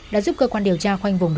đã giúp cơ quan điều tra khoanh vùng